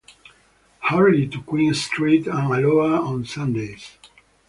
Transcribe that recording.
Hourly to Queen Street and Alloa on Sundays.